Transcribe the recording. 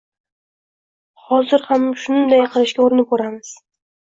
Hozir ham shunday qilishga urinib ko‘ramiz.